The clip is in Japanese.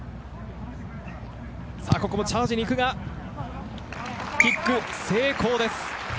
ここもチャージに行くがキック成功です。